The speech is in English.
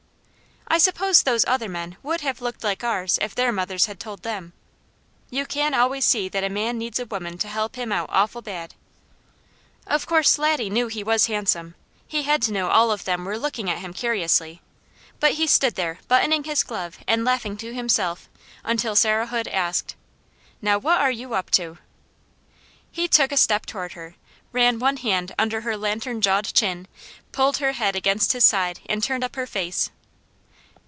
I suppose those other men would have looked like ours if their mothers had told them. You can always see that a man needs a woman to help him out awful bad. Of course Laddie knew he was handsome; he had to know all of them were looking at him curiously, but he stood there buttoning his glove and laughing to himself until Sarah Hood asked: "Now what are you up to?" He took a step toward her, ran one hand under her lanternjawed chin, pulled her head against his side and turned up her face.